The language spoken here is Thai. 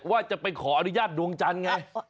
ว่าจะไปขออนุญาตดวงจันทร์ไง